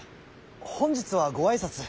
本日はご挨拶。